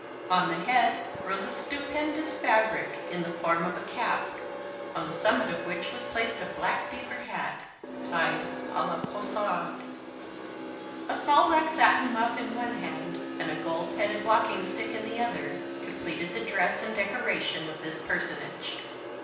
On the head rose a stupendous fabric, in the form of a cap, on the summit of which was placed a black beaver hat, tied à la poissarde. A small black satin muff in one hand, and a gold headed walking stick in the other, completed the dress and decoration of this personage.